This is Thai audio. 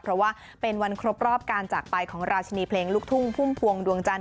เพราะว่าเป็นวันครบรอบการจากไปของราชินีเพลงลูกทุ่งพุ่มพวงดวงจันท